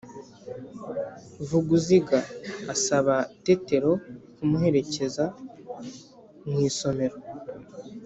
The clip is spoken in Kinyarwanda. Vuguziga asaba Tetero kumuherekeza mu isomero.